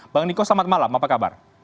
bang niko selamat malam apa kabar